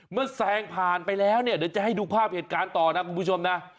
แซงผ่านไปแล้วเนี่ยเดี๋ยวจะให้ดูภาพเหตุการณ์ต่อนะคุณผู้ชมนะ